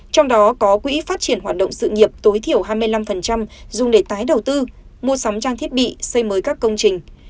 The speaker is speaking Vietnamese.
trong đó có quỹ phát triển hoạt động sự nghiệp tối thiểu hai mươi năm dùng để tái đầu tư mua sắm trang thiết bị xây mới các công trình